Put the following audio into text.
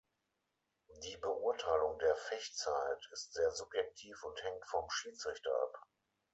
Die Beurteilung der „Fechtzeit“ ist sehr subjektiv und hängt vom Schiedsrichter ab.